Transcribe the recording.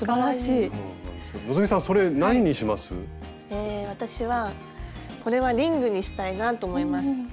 え私はこれはリングにしたいなと思います。